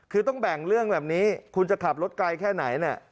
คือต้องแบ่งเรื่องแบบนี้คุณจะขับรถไกลแค่ไหนเนี่ย